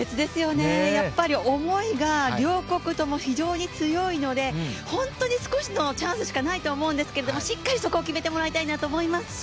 やっぱり思いが両国とも非常に強いので、本当に少しのチャンスしかないと思うんですけれども、しっかりそこを決めてもらいたいなと思います。